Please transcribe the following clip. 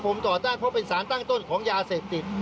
ผมต่อต้านเพราะเป็นสารตั้งต้นของยาเสพติด